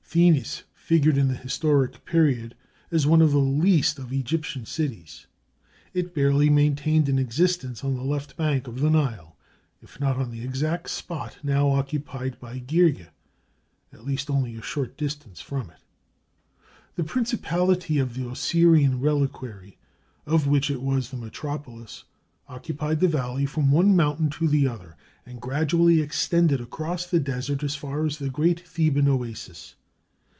Thinis figured in the historic period as one of the least of Egyptian cities. It barely maintained an existence on the left bank of the Nile, if not on the exact spot now occupied by Girgeh, at least only a short distance from it. The principality of the Osirian Reliquary, of which it was the metropolis, occupied the valley from one mountain to the other, and gradually extended across the desert as far as the Great Theban Oasis.